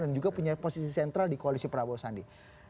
dan juga punya posisi sentral di koalisi prabowo sandi